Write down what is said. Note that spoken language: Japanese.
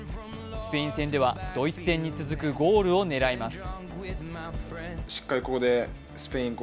スペイン戦ではドイツ戦に続くゴールを狙います。